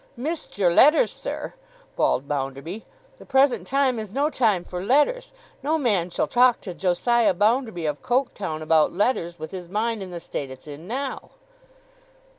'Missed your letter, sir!' bawled Bounderby. 'The present time is no time for letters. No man shall talk to Josiah Bounderby of Coketown about letters, with his mind in the state it's in now.